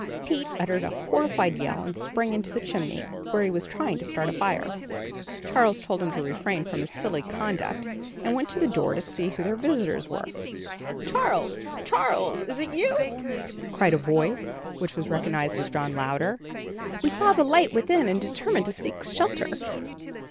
Pete uttered a horrified yell and sprang into the chimney, where he was trying to start a fire. Charles told him to refrain from his silly conduct and went to the door to see who their visitors were. "Charles, Charles, is it you?" cried a voice which he recognized as John Louder. "We saw the light within and determined to seek shelter."